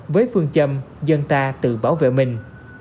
với phương châm dân ta tự bảo vệ mình